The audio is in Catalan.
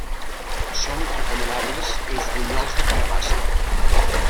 Són recomanables els bunyols de carabassa.